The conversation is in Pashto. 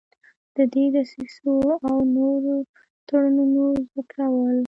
د دې دسیسو او نورو تړونونو ذکرول.